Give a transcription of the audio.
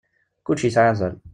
Kullec yesɛa azal.